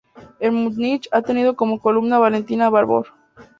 En Munich ha tenido como alumna a Valentina Babor.